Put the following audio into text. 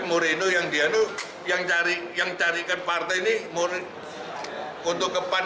moreno yang dia tuh yang carikan partai ini untuk ke pan ini